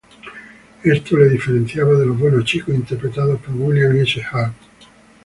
Esto le diferenciaba de los buenos chicos interpretados por William S. Hart.